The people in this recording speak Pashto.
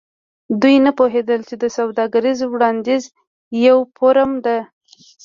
دوی نه پوهیدل چې سوداګریز وړاندیز یوه فورمه ده